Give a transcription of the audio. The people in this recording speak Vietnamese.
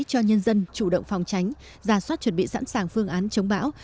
cho nhân dân chủ động phòng tránh giả soát chuẩn bị sẵn sàng phương án chống bão